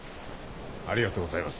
ありがとうございます